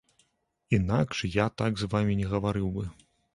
Інакш я так з вамі не гаварыў бы.